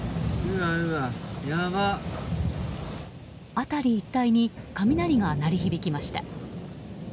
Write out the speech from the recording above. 辺り一帯に雷が鳴り響きました。